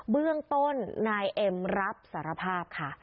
เบื้องต้นนายเอ็มรับสารภาพค่ะ